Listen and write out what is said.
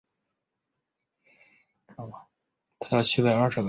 这也是浙江省唯一位于县级的国家一类口岸。